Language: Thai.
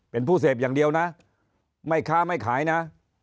เป็นผู้เสพอย่างเดียวนะไม่ค้าไม่ขายนะ